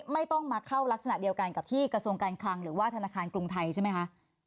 ไม่ต้องมาเข้ารักษณะเดียวกันกับที่กระทรวงการคลังหรือว่าธนาคารกรุงไทยใช่ไหมคะ